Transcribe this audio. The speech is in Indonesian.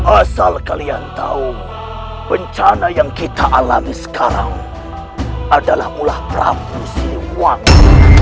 asal kalian tahu bencana yang kita alami sekarang adalah ulah pramusi waktu